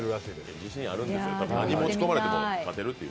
自信あるんですよ、何持ち込まれてもねという。